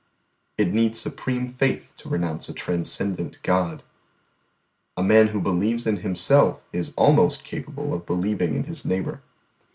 "It needs supreme faith to renounce a transcendent God." "A man who believes in himself is almost capable of believing in his neighbour."